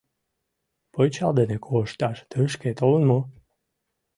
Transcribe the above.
Пычал дене кошташ тышке толын мо?